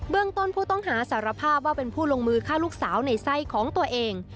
ต้นผู้ต้องหาสารภาพว่าเป็นผู้ลงมือฆ่าลูกสาวในไส้ของตัวเอง